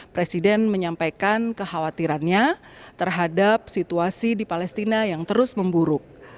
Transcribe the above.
presiden menyampaikan kekhawatirannya terhadap situasi di palestina yang terus memburuk